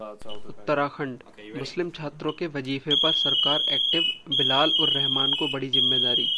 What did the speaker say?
उत्तराखंड: मुस्लिम छात्रों के वजीफे पर सरकार एक्टिव, बिलाल-उर रहमान को बड़ी जिम्मेदारी